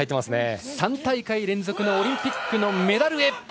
３大会連続のオリンピックメダルへ。